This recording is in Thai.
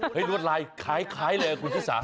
เฮ้ยนวดลายคล้ายเลยอ่ะคุณฟิศาสตร์